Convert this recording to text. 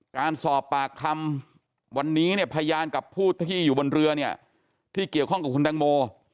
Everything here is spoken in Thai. การสอบปากคำวันนี้เนี่ยพยานกับผู้ที่อยู่บนเรือเนี่ยที่เกี่ยวข้องกับคุณตังโม